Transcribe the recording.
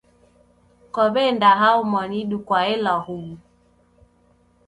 Kwawe'nda hao mwanidu kwaela huw'u?